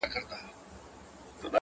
راسه ماښامیاره نن یو څه شراب زاړه لرم,